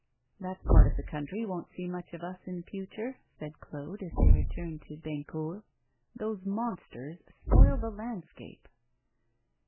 'That part of the country won't see much of us in future,' said Claude, as they returned to Bennecourt. 'Those monsters spoil the landscape.